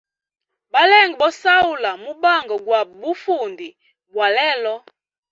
Balenge bo sahula mubanga gwa bufundi bwa lelo.